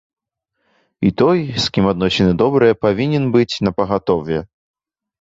І той, з кім адносіны добрыя, павінен быць напагатове.